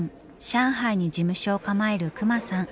上海に事務所を構える隈さん。